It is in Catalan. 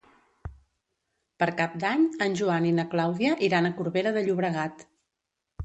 Per Cap d'Any en Joan i na Clàudia iran a Corbera de Llobregat.